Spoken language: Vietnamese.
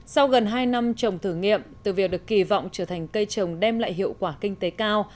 sau gần hai năm trồng thử nghiệm từ việc được kỳ vọng trở thành cây trồng đem lại hiệu quả kinh tế cao